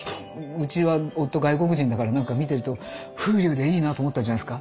うちは夫外国人だからなんか見てると風流でいいなと思ったんじゃないですか。